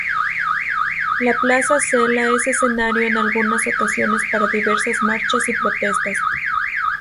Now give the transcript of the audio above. La Plaza Zela es escenario en algunas ocasiones para diversas marchas y protestas.